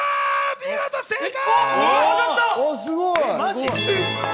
見事、正解！